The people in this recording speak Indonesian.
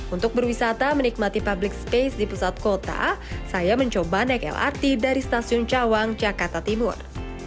untuk berwisata menikmati public space di pusat kota saya mencoba naik lrt dari stasiun cawang jakarta timur